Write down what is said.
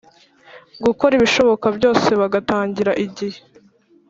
Gukora ibishoboka byose bagatangira igihe